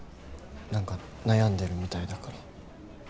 なんか悩んでるみたいだから。